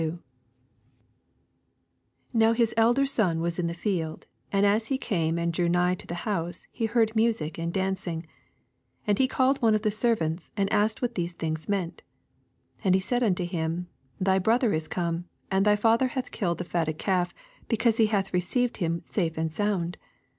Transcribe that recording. S5 Now his elder son was in the btsld : and as he came and drew nigh U' the honsei he heard masic and l»ncing. 26 .^d he called one of the ser Tuits, and asked what these things Laeant. 27 And he said unto him, Thv brother is come ; and thy father hatn killed the fatted calf, because he hath received him safe and sound.